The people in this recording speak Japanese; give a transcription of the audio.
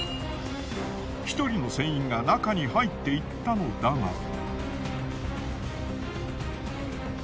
１人の船員が中に入っていったのだが。